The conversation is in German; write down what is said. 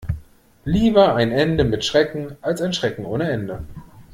Lieber ein Ende mit Schrecken als ein Schrecken ohne Ende.